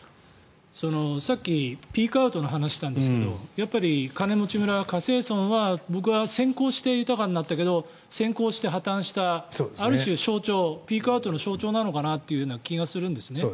さっきピークアウトの話をしたんですがやっぱり金持ち村、華西村は成功して豊かになったけど成功して破たんしたある種、象徴ピークアウトの象徴なのかなという気がするんです。